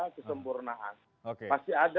kesempurnaan pasti ada